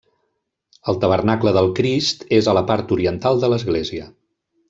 El tabernacle del Crist és a la part oriental de l'església.